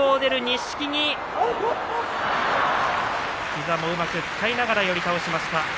膝もうまく使いながら寄り倒しました。